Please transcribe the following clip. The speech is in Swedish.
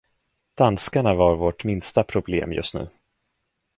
Danskarna var vårt minsta problem just nu